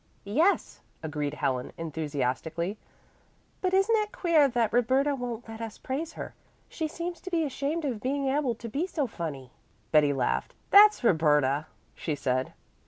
"Yes," agreed Helen enthusiastically. "But isn't it queer that Roberta won't let us praise her? She seems to be ashamed of being able to be so funny." Betty laughed. "That's Roberta," she said.